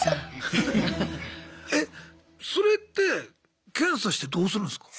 それって検査してどうするんすか？